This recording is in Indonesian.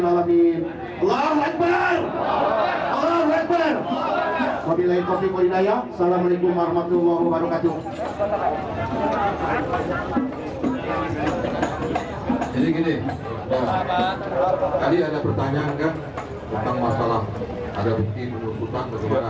kali ada pertanyaan kan tentang masalah ada bukti menurutku kan berkembang